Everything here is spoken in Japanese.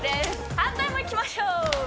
反対もいきましょう。